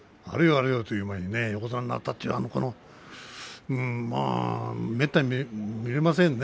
あれよという間に横綱になったというめったに見れませんね